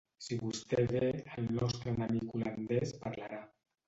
Si vostè ve, el nostre enemic holandès parlarà.